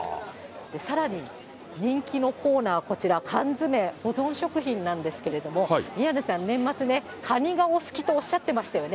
さらに、人気のコーナー、こちら、缶詰、保存食品なんですけども、宮根さん、年末ね、カニがお好きとおっしゃってましたよね。